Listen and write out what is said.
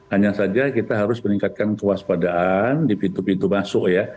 hanya saja kita harus meningkatkan kewaspadaan di pintu pintu masuk ya